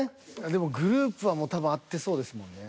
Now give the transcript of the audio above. でもグループはもう多分合ってそうですもんね。